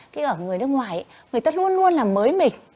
thế ở người nước ngoài người ta luôn luôn là mới mình